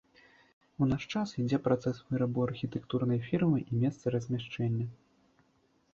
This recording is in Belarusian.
У наш час ідзе працэс выбару архітэктурнай фірмы і месца размяшчэння.